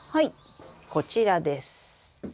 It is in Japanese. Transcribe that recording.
こちらです。